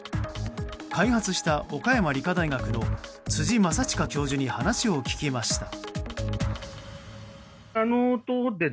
開発した岡山理科大学の辻維周教授に話を聞きました。